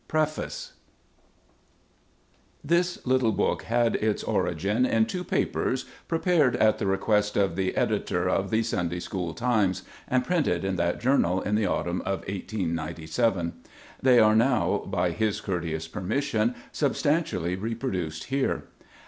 preface This little book had its origin in two papers prepared at the request of the editor of The Sunday School Times, and printed in that jour nal in the autumn of 1S97. They are now, by his courteous permission, substantially repro duced here.